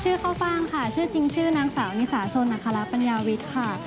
ชื่อข้าวฟังค่ะชื่อจริงชื่อนางสาวนี่สาวชนนาคาราปัญญาวิทย์ค่ะ